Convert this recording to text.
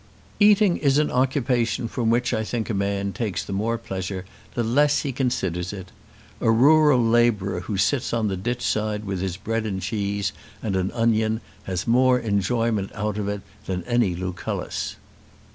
"Eating is an occupation from which I think a man takes the more pleasure the less he considers it. A rural labourer who sits on the ditch side with his bread and cheese and an onion has more enjoyment out of it than any Lucullus."